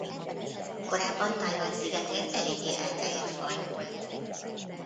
Korábban Tajvan szigetén eléggé elterjedt faj volt.